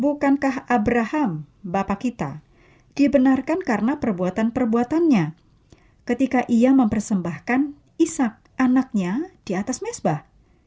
bukankah abraham bapak kita dibenarkan karena perbuatan perbuatannya ketika ia mempersembahkan isak anaknya di atas mesbah